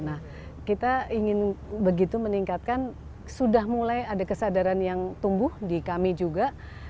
nah kita ingin begitu meningkatkan sudah mulai ada kesadaran yang tumbuh di kami juga